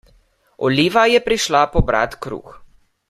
Oliva je prišla pobrat kruh.